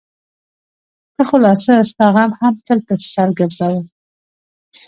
ته خو لا څه؛ ستا غم هم تل په سر ګرځوم.